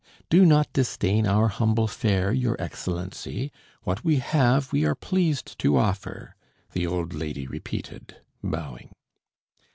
"Do not disdain our humble fare, your Excellency. What we have we are pleased to offer," the old lady repeated, bowing.